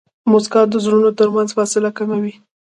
موسکا د زړونو ترمنځ فاصله کموي.